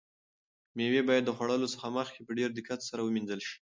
مېوې باید د خوړلو څخه مخکې په ډېر دقت سره ومینځل شي.